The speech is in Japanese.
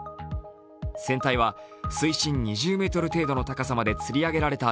船体は水深２０ｍ程度の高さまでつり上げられた